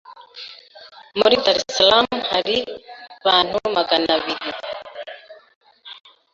muri Dar es Salaam hari bantu magana biri